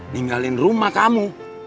ninggalin rumah kamu